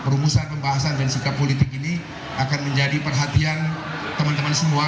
perumusan pembahasan dan sikap politik ini akan menjadi perhatian teman teman semua